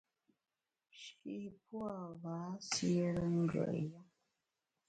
Shî pua’ gha siére ngùet yùm.